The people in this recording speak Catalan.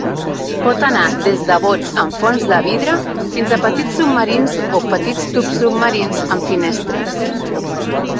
Pot anar des de bots amb fons de vidre fins a petits submarins o petits tubs submarins amb finestres.